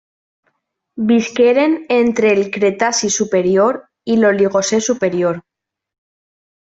Visqueren entre el Cretaci superior i l'Oligocè superior.